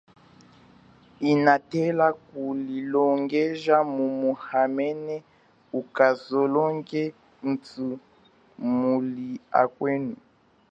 Inatela kulilongeja mumu hamene ukasoloke mutu muli akwenu.